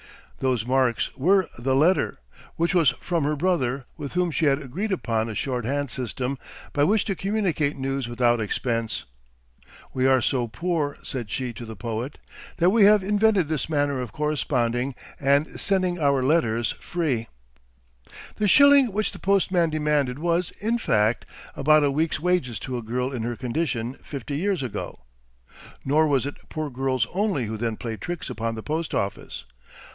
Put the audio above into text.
Those marks were the letter, which was from her brother, with whom she had agreed upon a short hand system by which to communicate news without expense. "We are so poor," said she to the poet, "that we have invented this manner of corresponding and sending our letters free." [Illustration: SIR ROWLAND HILL.] The shilling which the postman demanded was, in fact, about a week's wages to a girl in her condition fifty years ago. Nor was it poor girls only who then played tricks upon the post office.